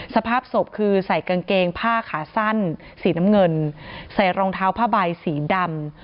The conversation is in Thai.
สภาพศพคือใส่กางเกงผ้าขาสั้นสีน้ำเงินใส่รองเท้าผ้าใบสีดำ